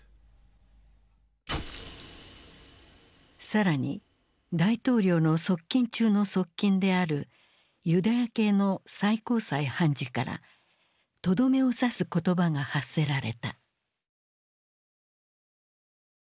更に大統領の側近中の側近であるユダヤ系の最高裁判事からとどめを刺す言葉が発せられた。